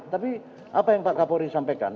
tapi apa yang pak kapolri sampaikan